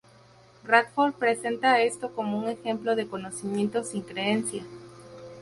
Radford presenta esto como un ejemplo de conocimiento sin creencia.